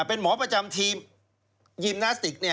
เป็นหมอประจำทีมยิมนาสติก